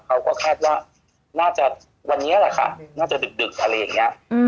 เขาก็คาดว่าน่าจะวันนี้แหละค่ะน่าจะดึกอะไรอย่างนี้